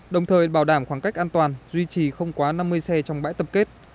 đồng thời bảo đảm khoảng cách an toàn duy trì không quá năm mươi xe trong bãi tập kết